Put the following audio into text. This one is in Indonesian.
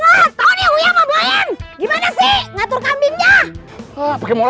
mas kambing karena harus kambing capek